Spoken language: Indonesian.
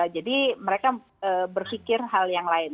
jadi mereka berpikir hal yang lain